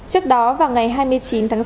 trước đó vào ngày hai mươi chín tháng sáu